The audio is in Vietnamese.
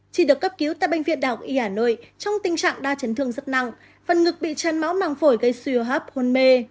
chị được cấp cứu tại bệnh viện đạo y hà nội trong tình trạng đa chấn thương rất nặng phần ngực bị chân máu màng phổi gây suy hấp hôn mê